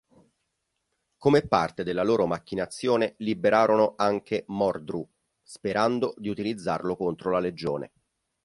Come parte della loro macchinazione, liberarono anche Mordru, sperando di utilizzarlo contro la Legione.